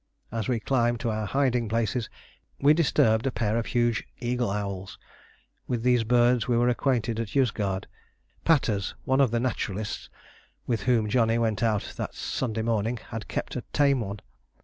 As we climbed to our hiding places we disturbed a pair of huge eagle owls. With these birds we were acquainted at Yozgad. "Patters," one of the naturalists with whom Johnny went out that Sunday morning, had kept a tame one.